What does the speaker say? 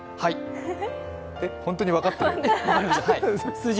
えっ、本当に分かってる？